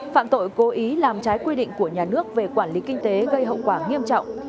phạm tội cố ý làm trái quy định của nhà nước về quản lý kinh tế gây hậu quả nghiêm trọng